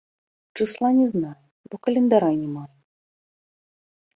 Чысла не знаю, бо календара не маю.